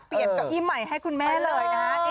เปลี่ยนเก้าอี้ใหม่ให้คุณแม่เลยนะ